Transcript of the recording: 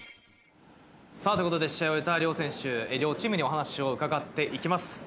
さぁということで試合を終えた両選手両チームにお話を伺って行きます。